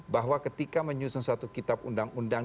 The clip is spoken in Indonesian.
bahwa ketika menyusun satu kitab undang undang